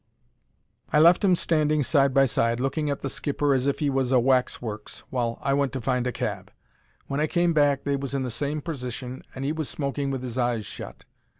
I left 'em standing side by side, looking at the skipper as if 'e was a waxworks, while I went to find a cab. When I came back they was in the same persition, and 'e was smoking with 'is eyes shut.